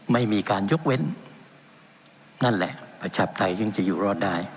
ไม่มีการยกเว้นนั่นแหละประชาปไตยซึ่งจะอยู่รอดได้